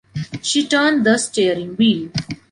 She turned the steering wheel.